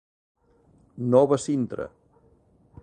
Nova Sintra.